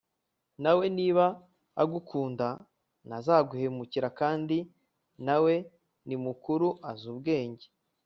na we niba agukunda ntazaguhemukira kandi na we ni mukuru azi ubwenge